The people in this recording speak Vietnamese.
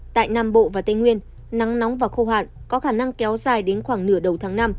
tại nam bộ và tây nguyên nắng nóng và khô hạn có khả năng kéo dài đến khoảng nửa đầu tháng năm